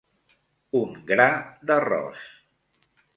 Un gra d'arròs.